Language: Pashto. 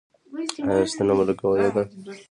ایا ستنه مو لګولې ده؟